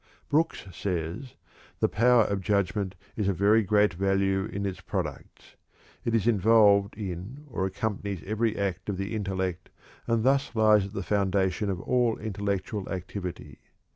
Brooks says: "The power of judgment is of great value in its products. It is involved in or accompanies every act of the intellect, and thus lies at the foundation of all intellectual activity.